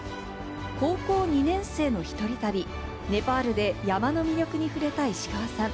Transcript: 高校２年生の一人旅、ネパールで山の魅力に触れた石川さん。